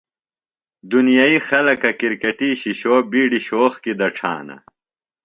دُنیئی خلکہ کرکٹی شِشو بِیڈیۡ شوق کیۡ دڇھانہ۔